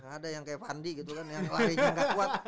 ada yang kayak fandi gitu kan yang larinya gak kuat